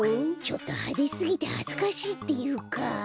ちょっとはですぎてはずかしいっていうか。